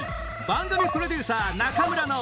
番組プロデューサー中村の